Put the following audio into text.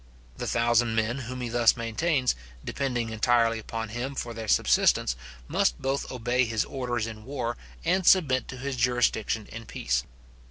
The thousand men whom he thus maintains, depending entirely upon him for their subsistence, must both obey his orders in war, and submit to his jurisdiction in peace.